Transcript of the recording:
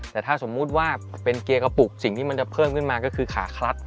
แต่ถ้าสมมุติว่าเป็นเกียร์กระปุกสิ่งที่มันจะเพิ่มขึ้นมาก็คือขาคลัด